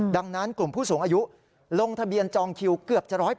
ดังนั้นกลุ่มผู้สูงอายุลงทะเบียนจองคิวเกือบจะ๑๐๐